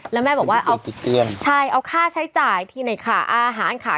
แล้วแม่บอกว่าเอาใช่เอาค่าใช้จ่ายที่ในขาอาหารขา